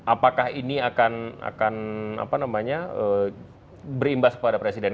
apakah ini akan apa namanya berimbas kepada presiden